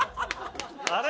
あれ？